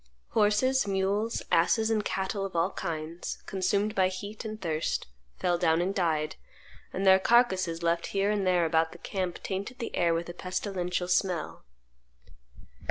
Horses, mules, asses, and cattle of all kinds, consumed by heat and thirst, fell down and died; and their carcasses, left here and there about the camp, tainted the air with a pestilential smell."